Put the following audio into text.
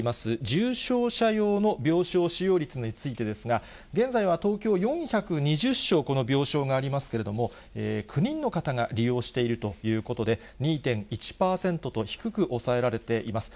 重症者用の病床使用率についてですが、現在は東京４２０床、この病床がありますけれども、９人の方が利用しているということで、２．１％と低く抑えられています。